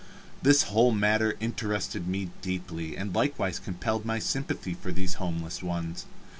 This whole matter interested me deeply, and likewise compelled my sympathy for these homeless ones.